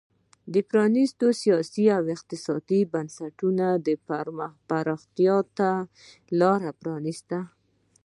د پرانیستو سیاسي او اقتصادي بنسټونو پراختیا ته لار پرانېسته.